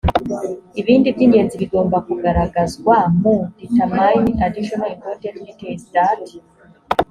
ibindi by ingenzi bigomba kugaragazwa mu determine additional important details that